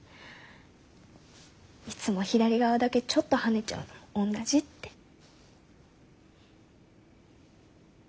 いつも左側だけちょっとはねちゃうのもおんなじ」って。